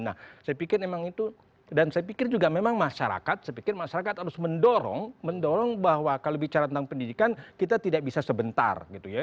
nah saya pikir memang itu dan saya pikir juga memang masyarakat saya pikir masyarakat harus mendorong mendorong bahwa kalau bicara tentang pendidikan kita tidak bisa sebentar gitu ya